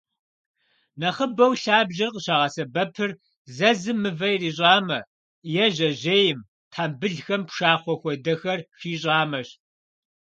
Нэхъыбэу лъабжьэр къыщагъэсэбэпыр зэзым мывэ ирищӏамэ, е жьэжьейм, тхьэмбылхэм пшахъуэ хуэдэхэр хищӏамэщ.